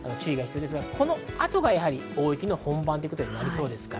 この後がやはり大雪の本番ということになりそうです。